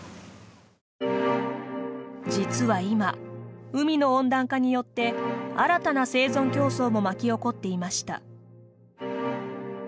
実は今海の温暖化によって新たな生存競争も巻き起こっていました。